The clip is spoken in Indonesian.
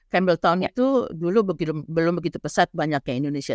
cambletown itu dulu belum begitu pesat banyaknya indonesia